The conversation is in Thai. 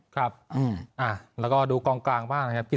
ครับอืมอ่าแล้วก็ดูกองกลางบ้างเนี้ย